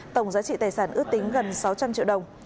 tổng giá trị tài sản ước tính gần sáu trăm linh triệu đồng